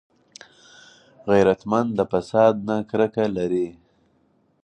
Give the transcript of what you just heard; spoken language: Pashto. غیرتمند د فساد نه کرکه لري